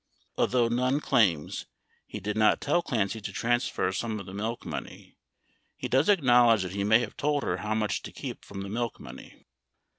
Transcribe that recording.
29 Although Nunn claims he did not tell Clancy to transfer some of the milk money, he does acknowledge that he may have told her how much to keep from the milk money.